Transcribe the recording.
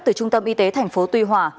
từ trung tâm y tế thành phố tuy hòa